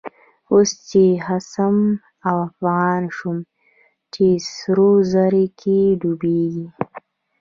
اوس چی خصم د افغان شو، په سرو زرو کی ډوبيږی